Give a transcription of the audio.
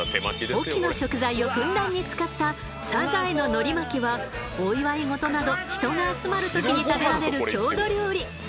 隠岐の食材をふんだんに使ったサザエの海苔巻きはお祝い事など人が集まる時に食べられる郷土料理。